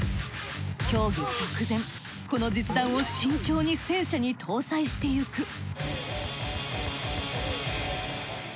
競技直前この実弾を慎重に戦車に搭載していく。